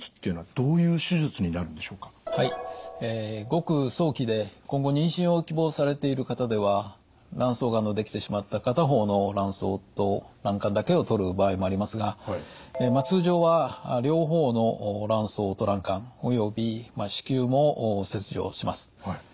ごく早期で今後妊娠を希望されている方では卵巣がんの出来てしまった片方の卵巣と卵管だけを取る場合もありますが通常は両方の卵巣と卵管および子宮も切除します。